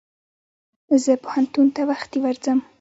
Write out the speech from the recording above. زه پوهنتون ته وختي ورځم.